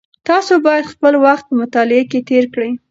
تاسو باید خپل وخت په مطالعه کې تېر کړئ.